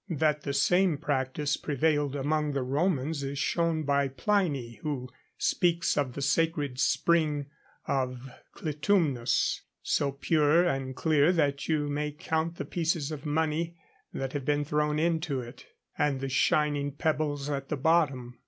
That the same practice prevailed among the Romans is shown by Pliny, who speaks of the sacred spring of the Clitumnus, so pure and clear that you may count the pieces of money that have been thrown into it, and the shining pebbles at the bottom.